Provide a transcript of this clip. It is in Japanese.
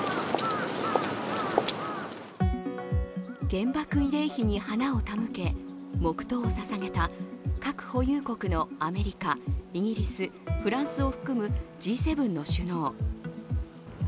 原爆慰霊碑に花を手向け黙とうをささげた核保有国のアメリカ、イギリス、フランスを含むＧ７の首脳。